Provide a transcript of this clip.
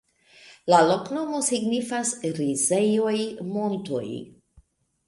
La loknomo signifas: rizejoj-montoj.